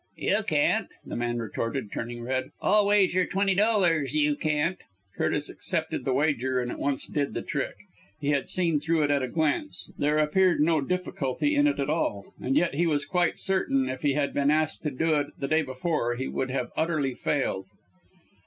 "You can't!" the man retorted, turning red. "I'll wager twenty dollars you can't." Curtis accepted the wager, and at once did the trick. He had seen through it at a glance there appeared no difficulty in it at all; and yet he was quite certain if he had been asked to do it the day before, he would have utterly failed.